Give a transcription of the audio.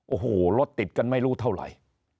โอ้โหรถติดกันไม่รู้เท่าไหร่